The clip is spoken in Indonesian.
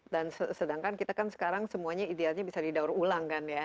sedangkan kita kan sekarang semuanya idealnya bisa didaur ulang kan ya